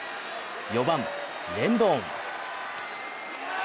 ４番・レンドン。